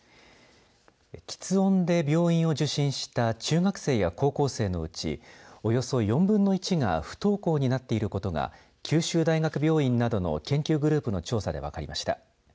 きつ音で病院を受診した中学生や高校生のうちおよそ４分の１が不登校になっていることが九州大学病院などの研究グループの調査で分かりました。